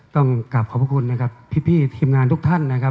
ต้องกลับขอบคุณพี่ทีมงานทุกท่าน